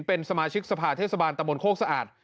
เป็นสมาชิกสภาทเทศบาลตำบลโฆษาอ่าน